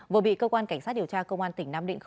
vừa bị cơ quan cảnh sát điều tra cơ quan tỉnh nam định